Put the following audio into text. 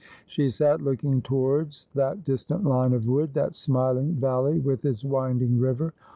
She sat looking towards that distant line of wood, that smiling valley with its winding river.